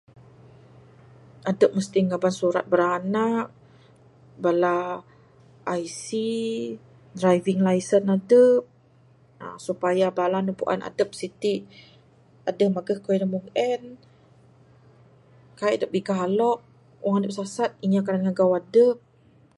Adep mesti ngeban surat beranak, bala ic, driving lesen adep supaya bala nek puan adep siti adeh megeh keyuh dak mung en kai adep bigalok wang adep sesat inya kanan megau adep.